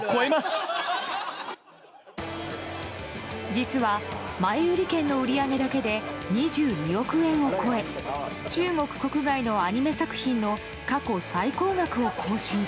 実は、前売り券の売り上げだけで２２億円を超え中国国外のアニメ作品の過去最高額を更新。